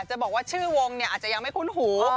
จะบอกว่าชื่อวงเนี่ยอาจจะยังไม่คุ้นหู